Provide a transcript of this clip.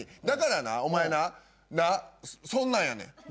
だからなお前なそんなんやねん！